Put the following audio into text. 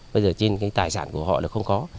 bây giờ trên cái tài sản của họ là không có